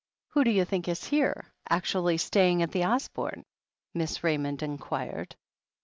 "Who do you think is here, actually stasring at the 'Osborne'?" Miss Raymond inquired.